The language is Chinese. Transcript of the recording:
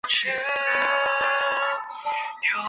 黎艾是广义省思义府慕德县知德总平安村沙平邑出生。